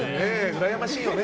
うらやましいよね。